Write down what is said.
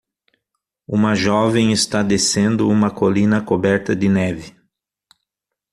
Uma jovem está descendo uma colina coberta de neve.